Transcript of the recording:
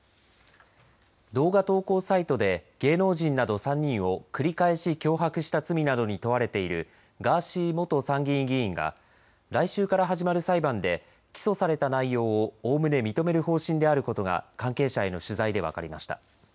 動画投稿サイトで芸能人など３人を繰り返し脅迫した罪などに問われているガーシー元参議院議員が来週から始まる裁判で起訴された内容をおおむね認める方針であることが関係者への取材で分かりました。